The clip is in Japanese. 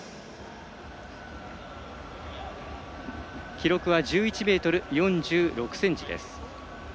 記録は１１ｍ４６ｃｍです。